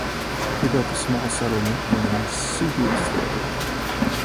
He built a small settlement he named Soulesville.